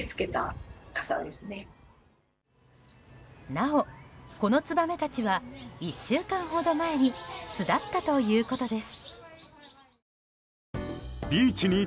なお、このツバメたちは１週間ほど前に巣立ったということです。